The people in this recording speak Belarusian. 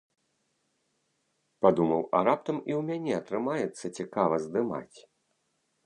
Падумаў, а раптам і ў мяне атрымаецца цікава здымаць.